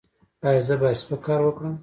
ایا زه باید سپک کار وکړم؟